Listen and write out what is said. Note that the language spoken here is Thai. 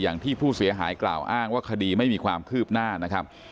อย่างที่ผู้เสียหายกล่าวอ้างว่าคดีไม่มีความคืบหน้านะครับ